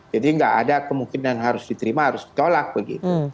jadi nggak ada kemungkinan harus diterima harus ditolak begitu